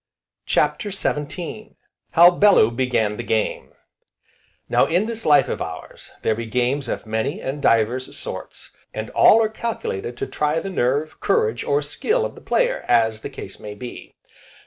CHAPTER XVII How Bellew began the game Now in this life of ours, there be games of many, and divers, sorts, and all are calculated to try the nerve, courage, or skill of the player, as the case may be.